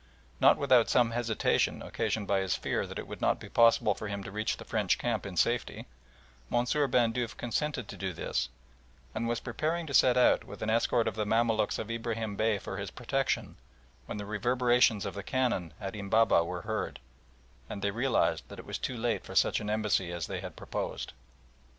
Not without some hesitation occasioned by his fear that it would not be possible for him to reach the French camp in safety, Monsieur Bandeuf consented to do this, and was preparing to set out, with an escort of the Mamaluks of Ibrahim Bey for his protection, when the reverberations of the cannon at Embabeh were heard, and they realised that it was too late for such an embassy as they had proposed.